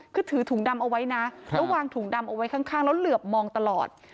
คือถือถุงดำเอาไว้นะแล้ววางถุงดำเอาไว้ข้างแล้วเหลือบมองตลอด